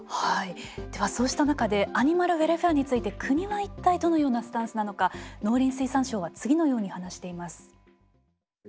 ではそうした中でアニマルウェルフェアについて国は一体どのようなスタンスなのか農林水産省は次のように話しています。